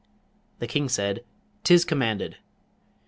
The King said, ''Tis commanded!'